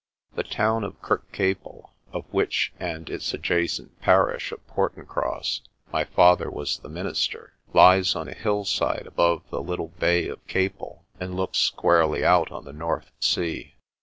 The town of Kirkcaple, of which and its adjacent parish of Portincross my father was the minister, lies on a hillside above the little bay of Caple, and looks squarely out on the North Sea.